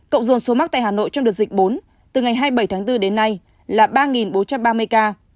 cộng dồn số mắc tại hà nội trong đợt dịch bốn từ ngày hai mươi bảy tháng bốn đến nay là ba bốn trăm ba mươi ca